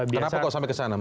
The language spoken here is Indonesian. kenapa kok sampai ke sana